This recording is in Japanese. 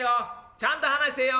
ちゃんと話せえよ」。